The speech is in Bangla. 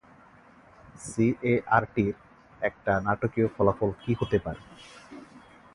সিএআর-টির একটা নাটকীয় ফলাফল কি হতে পারে?